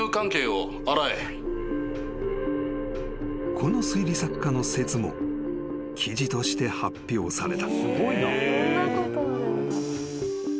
［この推理作家の説も記事として発表された］